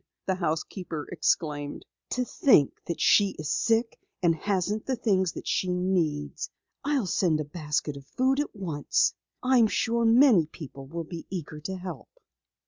the housekeeper explained. "To think that she is sick and hasn't the things that she needs. I'll send a basket of food at once. I am sure many people will be eager to help."